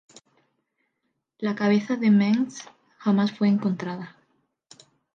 La cabeza de Mengsk jamás fue encontrada.